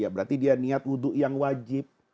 berarti dia niat wudhu yang wajib